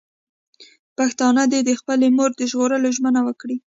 پښتانه دې د خپلې مور د ژغورلو ژمنه وکړي.